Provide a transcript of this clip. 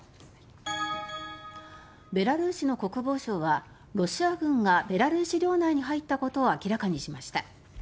ベラルーシの国防省はロシア軍がベラルーシ領内に入ったことを明らかにしました。